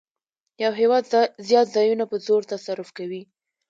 یو هېواد زیات ځایونه په زور تصرف کوي